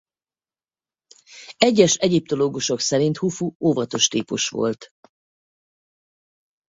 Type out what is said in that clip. Egyes egyiptológusok szerint Hufu óvatos típus volt.